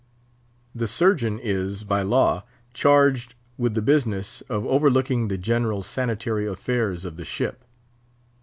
The Surgeon is, by law, charged with the business of overlooking the general sanitary affairs of the ship.